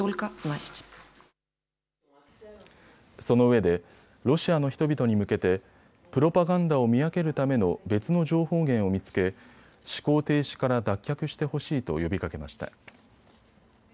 そのうえでロシアの人々に向けてプロパガンダを見分けるための別の情報源を見つけ思考停止から脱却してほしいと呼びかけました。